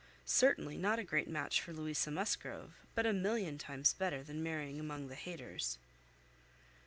Certainly not a great match for Louisa Musgrove, but a million times better than marrying among the Hayters."